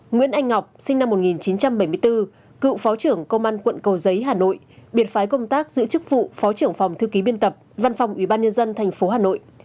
nguyễn anh ngọc sinh năm một nghìn chín trăm bảy mươi bốn cựu phó trưởng công an quận cầu giấy hà nội biệt phái công tác giữ chức vụ phó trưởng phòng thư ký biên tập văn phòng ubnd tp hà nội